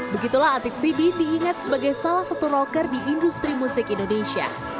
begitulah atik sibi diingat sebagai salah satu rocker di industri musik indonesia